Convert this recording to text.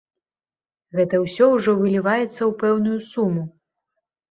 Гэта ўсё ўжо выліваецца ў пэўную суму.